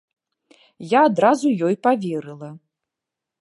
Я адразу ёй паверыла.